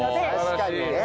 確かにね。